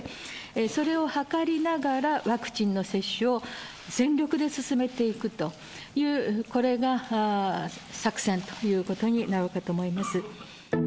それを図りながら、ワクチンの接種を全力で進めていくという、これが作戦ということになろうかと思います。